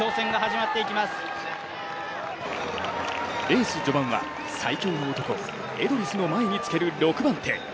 レース序盤は最強の男、エドリスの前につける６番手。